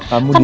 kamu di sini